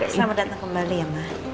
selamat datang kembali ya mbak